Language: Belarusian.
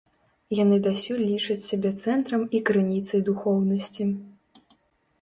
Яны дасюль лічаць сябе цэнтрам і крыніцай духоўнасці.